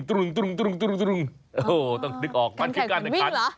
ต้องนึกออกมันคือก้านแข่งครรภ์